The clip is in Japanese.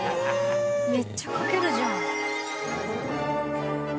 めっちゃかけるじゃん。